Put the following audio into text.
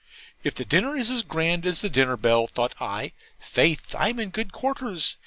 'If the dinner is as grand as the dinner bell,' thought I, 'faith, I'm in good quarters!'